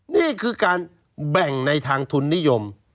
นี่คือการแบ่งในทางทุนนิยม